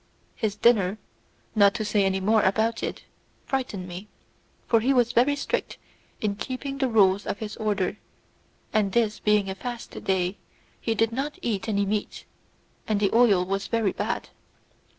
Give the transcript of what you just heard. His dinner, not to say any more about it, frightened me, for he was very strict in keeping the rules of his order, and this being a fast day, he did not eat any meat, and the oil was very bad.